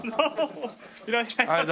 いらっしゃいませ。